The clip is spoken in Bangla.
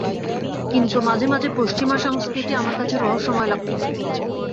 কিন্তু মাঝে মাঝে পশ্চিমা সংস্কৃতি আমার কাছে রহস্যময় লাগতো।